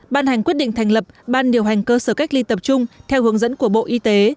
ban hành quyết định thành lập ban điều hành cơ sở cách ly tập trung theo hướng dẫn của bộ y tế